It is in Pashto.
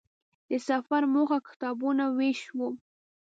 د سفر موخه کتابونو وېش و.